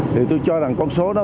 thì tôi cho rằng con số đó